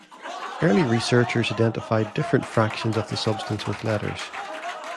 Early researchers identified different fractions of the substance with letters.